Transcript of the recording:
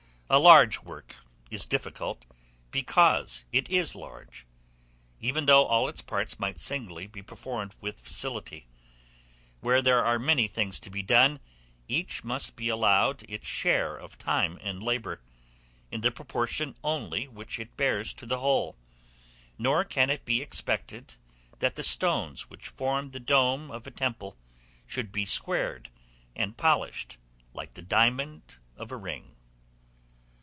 A large work is difficult because it is large, even though all its parts might singly be performed with facility; where there are many things to be done, each must be allowed its share of time and labor, in the proportion only which it bears to the whole; nor can it be expected, that the stones which form the dome of a temple, should be squared and polished like the diamond of a ring.